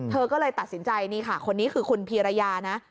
เธอก็เลยตัดสินใจนี่ค่ะคนนี้คือคุณพีรยานะ